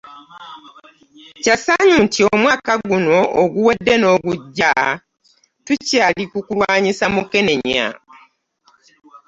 Kya ssanyu nti omwaka guno, oguwedde n'ogujja tukyali ku kulwanyisa Mukenenya